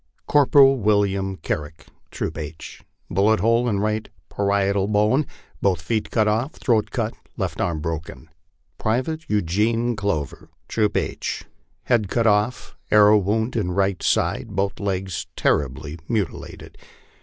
" Corporal William Carrick, Troop H, bullet hole in right parietal bone, both feet cut off, throat cut, left arm broken. " Private Eugene Clover, Troop H, head cut off, arrow wound in right side, both legs terribly mutilated.